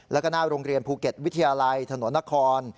แล้วก็หน้าโรงเรียนภูเก็ตวิทยาลัยถนนนคร